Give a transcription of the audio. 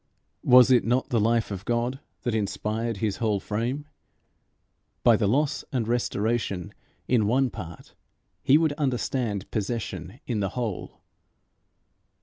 Was it not the life of God that inspired his whole frame? By the loss and restoration in one part, he would understand possession in the whole.